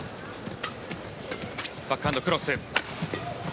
バックハンド、クロス。